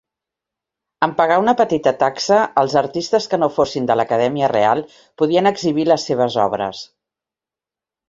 En pagar una petita taxa, els artistes que no fossin de l'Acadèmia Real podien exhibir les seves obres.